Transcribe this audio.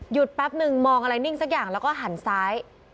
แป๊บนึงมองอะไรนิ่งสักอย่างแล้วก็หันซ้าย